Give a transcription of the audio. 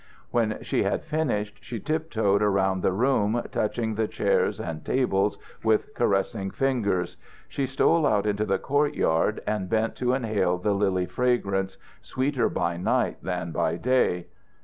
When she had finished, she tiptoed around the room, touching the chairs and tables with caressing fingers. She stole out into the courtyard, and bent to inhale the lily fragrance, sweeter by night than by day.